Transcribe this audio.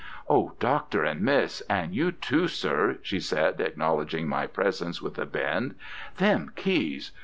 "'Oh, Doctor, and Miss, and you too, sir,' she said, acknowledging my presence with a bend, 'them keys!